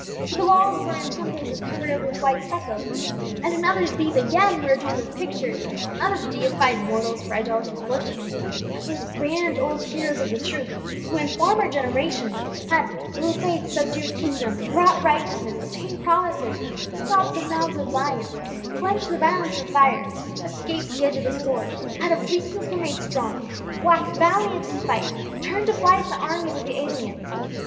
So the walls were in some places covered over with white stucco, and in others these again were adorned with pictures, not of deified mortals for idolatrous worship, but of those grand old heroes of the truth who in former generations had "through faith subdued kingdoms, wrought righteousness, obtained promises, stopped the mouths of lions, quenched the violence of fire, escaped the edge of the sword, out of weakness were made strong, waxed valiant in fight, turned to flight the armies of the aliens."